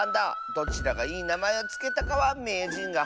どちらがいいなまえをつけたかはめいじんがはんていするぞ！